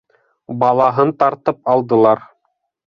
Балаһын тартып алдылар.